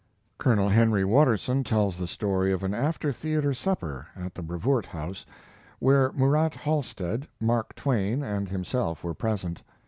Col. Henry Watterson tells the story of an after theater supper at the Brevoort House, where Murat Halstead, Mark Twain, and himself were present.